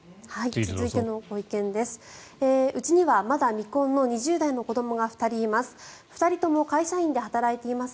続いてのご意見です。